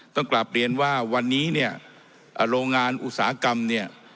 ต้องกลับเรียนว่าวันนี้เนี่ยโรงงานอุตสาหกรรมเนี่ย